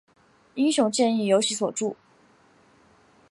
英雄剑亦由其所铸。